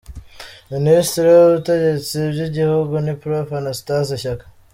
Ministre y’ubutegetsi bw’igihugu ni Prof Anastase Shyaka